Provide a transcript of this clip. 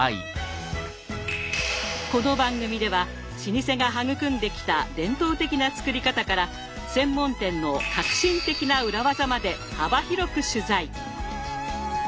この番組では老舗が育んできた伝統的な作り方から専門店の革新的な裏技まで幅広く取材。